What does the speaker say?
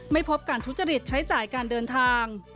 พบการทุจริตใช้จ่ายการเดินทาง